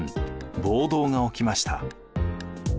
暴動が起きました。